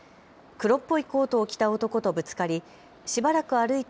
黒っぽいコートを着た男とぶつかり、しばらく歩いた